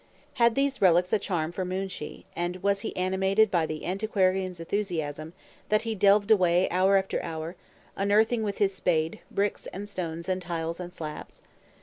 Had these relics a charm for Moonshee, and was he animated by the antiquarian's enthusiasm, that he delved away hour after hour, unearthing, with his spade, bricks and stones and tiles and slabs?